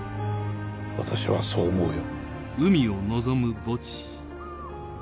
私はそう思うよ。